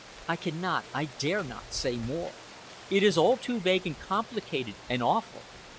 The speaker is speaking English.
I cannot, I dare not, say more. It is all too vague and complicated and awful.